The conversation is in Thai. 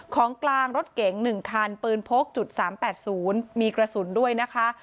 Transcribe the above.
ของกลางรถเก๋ง๑คันปืนพกจุด๓๘๐มีกระสุนด้วยนะคะ